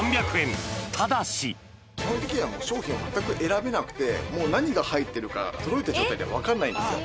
基本的には、もう商品を全く選べなくて、もう何が入っているか、届いた状態では分かんないんですよ。